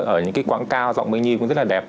ở những cái quảng cao giọng minh như cũng rất là đẹp